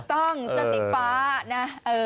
ถูกต้องสันสีฟ้านะ